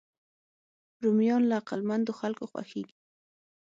رومیان له عقلمندو خلکو خوښېږي